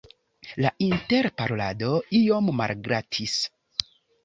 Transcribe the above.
La interparolado iom malglatis.